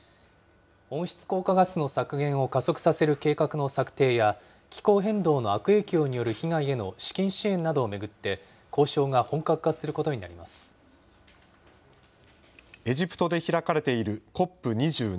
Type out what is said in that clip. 温室効果ガスの削減を加速させる計画の策定や、気候変動の悪影響による被害への資金支援などを巡って、交渉が本エジプトで開かれているＣＯＰ２７。